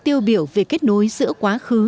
tiêu biểu về kết nối giữa quá khứ